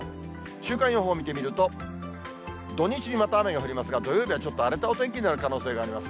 週間予報を見てみると、土日にまた雨が降りますが、土曜日はちょっと荒れたお天気になる可能性があります。